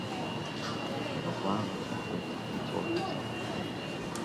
And with a violent effort he tore himself away.